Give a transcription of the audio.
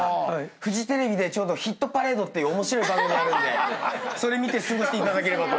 フジテレビでちょうど『ヒットパレード』っていう面白い番組があるんでそれ見て過ごしていただければと。